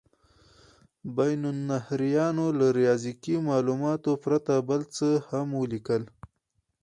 بین النهرینیانو له ریاضیکي مالوماتو پرته بل څه هم ولیکل.